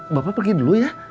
bapak pergi dulu ya